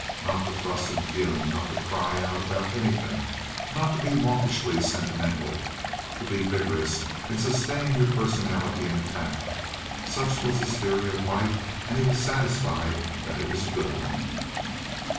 Not to fuss and fume, not to cry out about anything, not to be mawkishly sentimental; to be vigorous and sustain your personality intact—such was his theory of life, and he was satisfied that it was a good one.